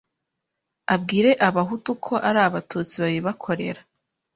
abwire Abahutu ko ari Abatutsi babibakorera